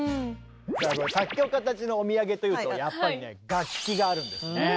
さあ作曲家たちのお土産というとやっぱりね楽器があるんですね。